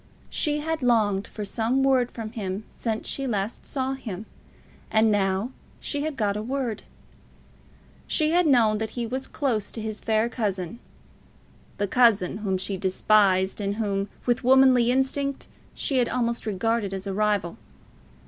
She had longed for some word from him since she last saw him; and now she had got a word. She had known that he was close to his fair cousin, the cousin whom she despised, and whom, with womanly instinct, she had almost regarded as a rival.